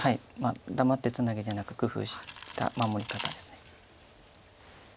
黙ってツナギでなく工夫した守り方です。